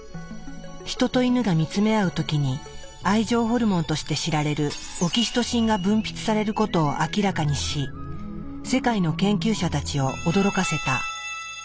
ヒトとイヌが見つめ合う時に愛情ホルモンとして知られるオキシトシンが分泌されることを明らかにし世界の研究者たちを驚かせた。